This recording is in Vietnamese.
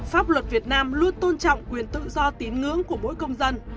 pháp luật việt nam luôn tôn trọng quyền tự do tín ngưỡng của mỗi công dân